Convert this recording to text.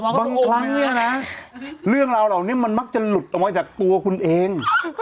ครั้งนี้นะเรื่องราวเหล่านี้มันมักจะหลุดออกมาจากตัวคุณเอง